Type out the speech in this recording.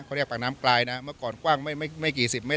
เขาเรียกปากน้ำปลายนะเมื่อก่อนกว้างไม่กี่สิบเมตร